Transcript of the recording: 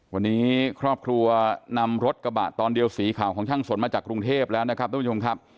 วันนี้ครอบครัวนำรถกระบะตอนเดียวสีขาวของช่างสนมาจากกรุงเทพแล้วนะครับทุกผู้ชมครับ